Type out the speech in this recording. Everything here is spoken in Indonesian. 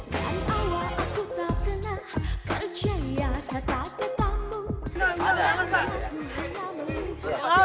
tuhan aku tak pernah percaya tak ketemu